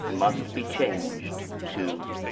changed, to